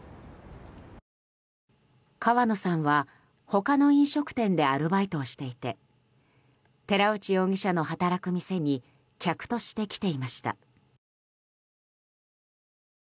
川野さんは他の飲食店でアルバイトをしていて寺内容疑者の働く店に客として来ていました。